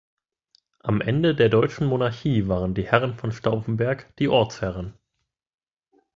Am Ende der deutschen Monarchie waren die Herren von Stauffenberg die Ortsherren.